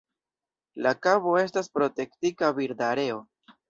La kabo estas protektita birda areo.